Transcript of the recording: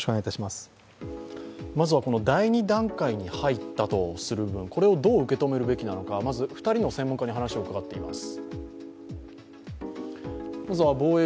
まずは第２段階に入ったとするところ、これをどう受け止めるべきなのか、２人の専門家に話を伺っています。